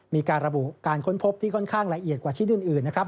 มีการระบุการค้นพบที่ค่อนข้างละเอียดกว่าชิ้นอื่นนะครับ